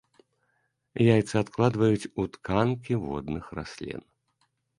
Яйцы адкладваюць у тканкі водных раслін.